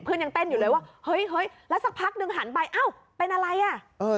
เพื่อนยังเต้นอยู่เลยว่าเฮ้ยแล้วสักพักหนึ่งหันไปอ้าวเป็นอะไรอะ